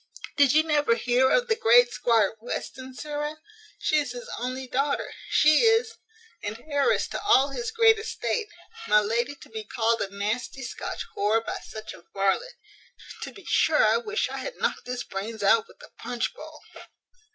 Did you never hear of the great Squire Western, sirrah? She is his only daughter; she is , and heiress to all his great estate. My lady to be called a nasty Scotch wh re by such a varlet! To be sure I wish I had knocked his brains out with the punch bowl."